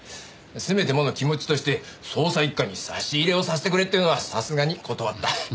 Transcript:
「せめてもの気持ちとして捜査一課に差し入れをさせてくれ」っていうのはさすがに断った。